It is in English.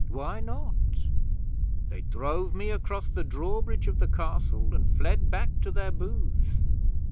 Why not? They drove me across the drawbridge of the Castle, and fled back to their booths.